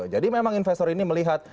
jadi memang investor ini melihat